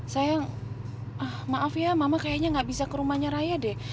saya maaf ya mama kayaknya nggak bisa ke rumahnya raya deh